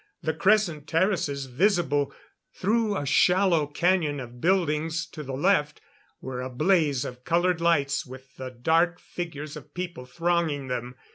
The crescent terraces, visible through a shallow canyon of buildings to the left, were a blaze of colored lights with the dark figures of people thronging them.